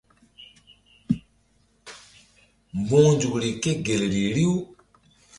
Mbu̧h nzukri ke gel ri riw.